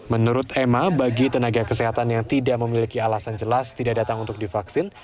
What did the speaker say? menurut emma bagi tenaga kesehatan yang tidak memiliki alasan jelas tidak datang untuk divaksin